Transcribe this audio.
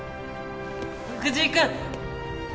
藤井君！